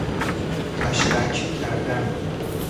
کشبک کردن